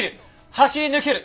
走り抜ける！